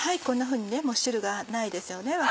こんなふうにもう汁がないですよね。